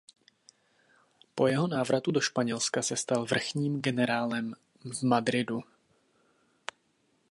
Po jeho návratu do Španělska se stal vrchním generálem v Madridu.